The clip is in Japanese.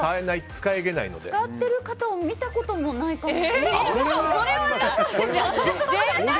使ってる方を見たこともないかも。